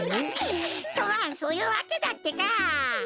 とまあそういうわけだってか！